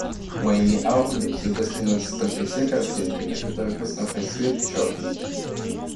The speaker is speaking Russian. Моими авами всегда становятся только те картинки, на которых основной цвет — чёрный.